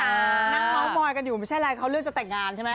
นั่งเมาส์มอยกันอยู่ไม่ใช่อะไรเขาเลือกจะแต่งงานใช่ไหม